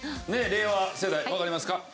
令和世代わかりますか？